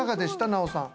奈緒さん。